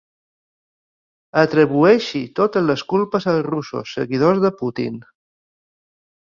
Atribueixi totes les culpes als russos seguidors de Putin.